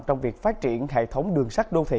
trong việc phát triển hệ thống đường sắt đô thị